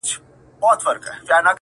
دا به څوک وي چي ستا مخي ته درېږي!